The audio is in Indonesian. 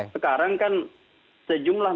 sekarang kan sejumlah